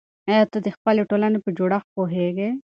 آیا ته د خپلې ټولنې په جوړښت پوهېږې؟